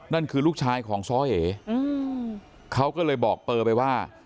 นั่นคือลูกชายของซ้อเอเขาก็เลยบอกเปอร์ไปว่า